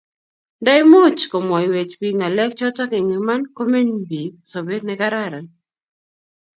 nda much komwaiwech piik ngalek chotok eng' iman komeny piik sobet ne karan